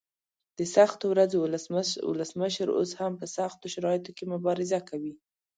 د سختو ورځو ولسمشر اوس هم په سختو شرایطو کې مبارزه کوي.